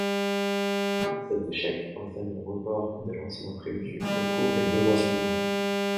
Cet échec entraine le report des lancements prévus au cours des deux mois suivants.